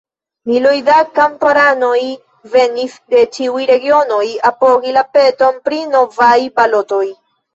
Miloj da kamparanoj venis de ĉiuj regionoj apogi la peton pri novaj balotoj.